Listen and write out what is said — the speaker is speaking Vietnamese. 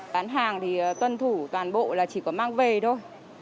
bán hàng thì tuân thủ toàn bộ là chỉ có mang về thôi